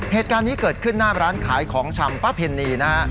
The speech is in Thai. เหตุการณ์นี้เกิดขึ้นหน้าร้านขายของชำป้าเพณีนะฮะ